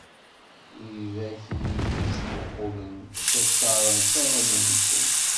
Wid akk iyi-d-ittmuqulen ttaččaren kan allen-nsen.